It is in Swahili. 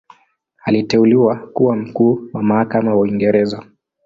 Aliteuliwa kuwa Mkuu wa Mahakama wa Uingereza.